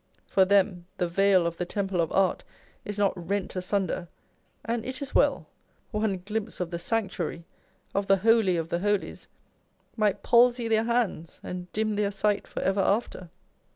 For them the veil of the Temple of Art is not rent asunder, and it is well : one glimpse of the Sanctuary, of the Holy of the Holies, might palsy their hands, and dim their sight for ever after